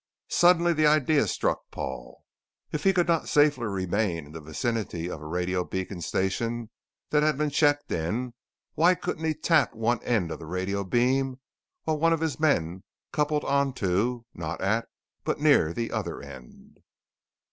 Suddenly the idea struck Paul. If he could not safely remain in the vicinity of a radio beacon station that had been checked in, why couldn't he tap one end of the radio beam while one of his men coupled onto, not at, but near the other end?